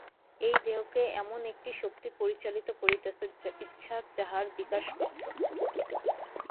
এই দেহকে এমন একটি শক্তি পরিচালিত করিতেছে, ইচ্ছা যাহার বিকাশমাত্র।